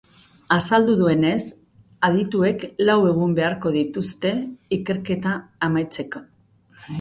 Azaldu duenez, adituek lau egun beharko dituzte ikerketa amaitzeko.